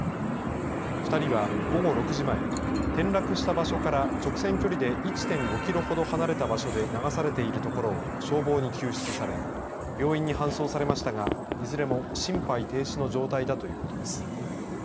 ２人は午後６時前転落した場所から直線距離で１．５キロほど離れた場所で流されているところを消防に救出され病院に搬送されましたがいずれも心肺停止の状態だということです。